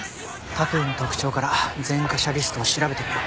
タトゥーの特徴から前科者リストを調べてみよう。